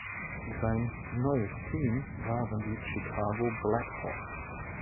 Sein neues Team waren die Chicago Blackhawks.